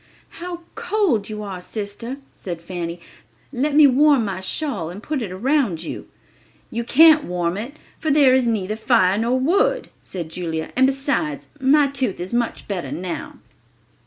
"How cold you are, sister," said Fanny; "let me warm my shawl and put it around you." "You can't warm it, for their is neither fire nor wood," said Julia; "and besides, my tooth is much better now."